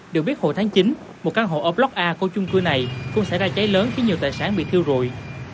được biết hồi tháng chín một căn hộ ở block a của chung cư này cũng xảy ra cháy lớn khi nhiều tài sản bị thiêu rụi